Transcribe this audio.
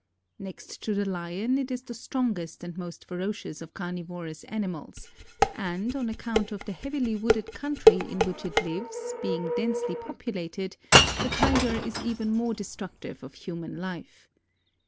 Next to the lion it is the strongest and most ferocious of carnivorous animals, and, on account of the heavily wooded country in which it lives being densely populated, the Tiger is even more destructive of human life.